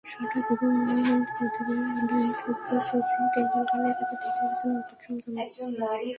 সারাটা জীবন পাদপ্রদীপের আলোয় থেকেও শচীন টেন্ডুলকার নিজেকে ঢেকে রেখেছেন অদ্ভুত সংযমে।